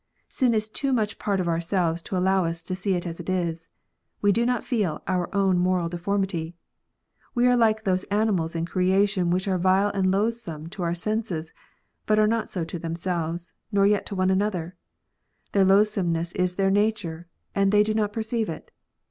Sin is too much part of ourselves to allow us to see it as it is : we do not feel our own moral deformity. We arc like those animals in creation which are vile and loathsome to our senses, but are not so to themselves, nor yet to one another : their loathsomeness is their nature, and they do not perceive it.